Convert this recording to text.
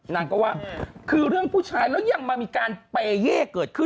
นางก็ว่าคือเรื่องผู้ชายแล้วยังมามีการเปเย่เกิดขึ้น